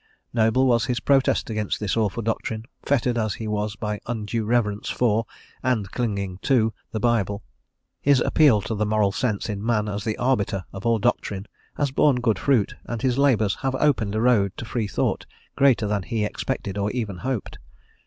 Noble was his protest against this awful doctrine, fettered as he was by undue reverence for, and clinging to, the Bible. His appeal to the moral sense in man as the arbiter of all doctrine has borne good fruit, and his labours have opened a road to free thought greater than he expected or even hoped.